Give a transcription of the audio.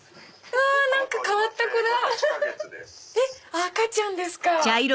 赤ちゃんですか。